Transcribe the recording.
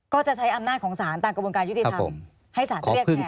ก็จะใช้อำนาจของสารตามกระบวนการยุติธรรมให้สารเรียกแทน